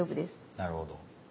なるほど。